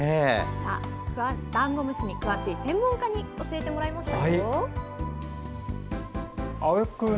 ダンゴムシに詳しい専門家に教えてもらいましたよ。